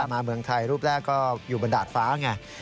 มาเมืองไทยรูปแรกก็อยู่บนดาดฟ้าไง